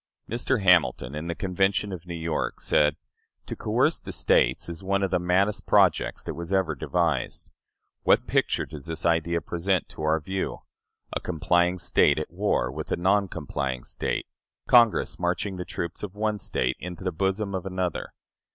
" Mr. Hamilton, in the Convention of New York, said: "To coerce the States is one of the maddest projects that was ever devised.... What picture does this idea present to our view? A complying State at war with a non complying State: Congress marching the troops of one State into the bosom of another